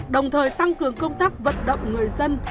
đồng thời tăng cường công tác vận động người dân